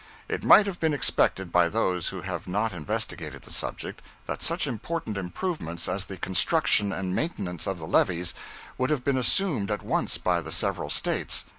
It might have been expected by those who have not investigated the subject, that such important improvements as the construction and maintenance of the levees would have been assumed at once by the several States.